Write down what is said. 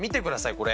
これ。